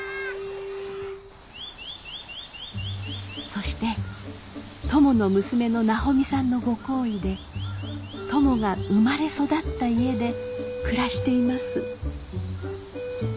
「そしてトモの娘の奈穂美さんのご好意でトモが生まれ育った家で暮らしています。